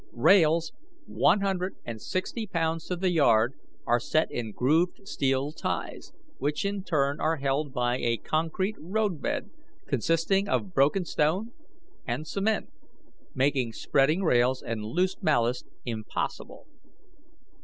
Rails, one hundred and sixty pounds to the yard, are set in grooved steel ties, which in turn are held by a concrete road bed consisting of broken stone and cement, making spreading rails and loose ballast impossible.